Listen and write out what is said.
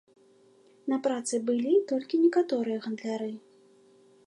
На працы былі толькі некаторыя гандляры.